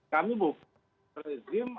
kami bukan rezim